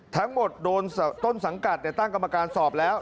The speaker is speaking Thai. ทั้งหมดโดนต้นสังกัดตั้งกรรมการสอบแล้ว